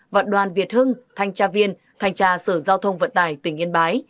và đoàn việt hưng thanh tra viên thanh tra sở giao thông vận tải tỉnh yên bái